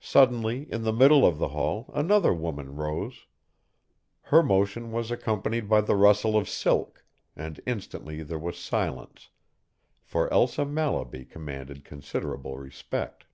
Suddenly in the middle of the hall another woman rose. Her motion was accompanied by the rustle of silk, and instantly there was silence, for Elsa Mallaby commanded considerable respect.